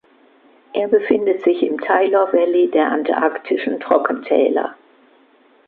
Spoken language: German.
Er befindet sich im Taylor Valley der Antarktischen Trockentäler.